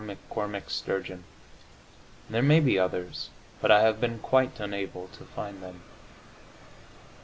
McCormick Sturgeon. There may be others, but I have been quite unable to find them.